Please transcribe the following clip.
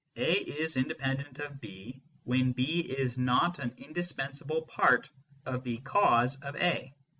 A is independent of B when B is not an indispensable part of the cause of A.